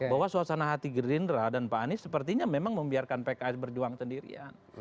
bahwa suasana hati gerindra dan pak anies sepertinya memang membiarkan pks berjuang sendirian